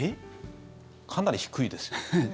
かなり低いですよね。